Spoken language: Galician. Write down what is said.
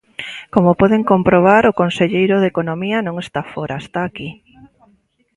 Como poden comprobar, o conselleiro de Economía non está fóra, está aquí.